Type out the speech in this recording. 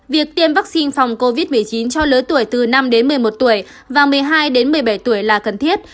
việc tiêm vaccine phòng covid một mươi chín cho lứa tuổi từ năm đến một mươi một tuổi và một mươi hai đến một mươi bảy tuổi là cần thiết